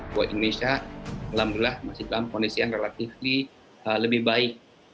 buat indonesia alhamdulillah masih dalam kondisi yang relatif lebih baik